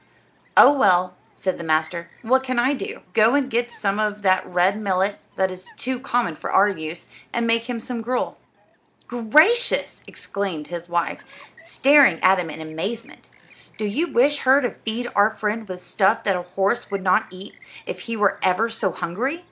"Oh, well," said the master, "what can I do? Go and get some of that red millet, that is too common for our use, and make him some gruel." "Gracious!" exclaimed his wife, staring at him in amazement; "do you wish her to feed our friend with stuff that a horse would not eat if he were ever so hungry?